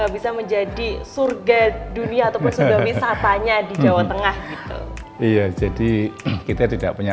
bisa menjadi surga dunia ataupun sunda wisatanya di jawa tengah iya jadi kita tidak punya